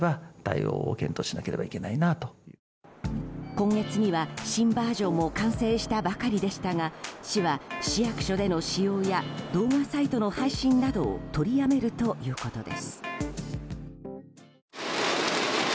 今月には新バージョンも完成したばかりでしたが市は市役所での使用や動画サイトの配信などを取りやめるということです。